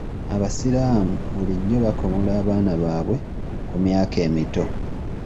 Abasiraamu bulijjo bakomola abaana baabwe ku myaka emito.